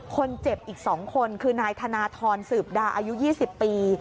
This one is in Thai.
คนเจ็บอีก๒คนคือนายธนทรสืบดาอายุ๒๐ปี